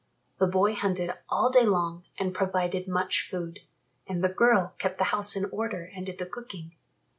The boy hunted all day long and provided much food, and the girl kept the house in order and did the cooking.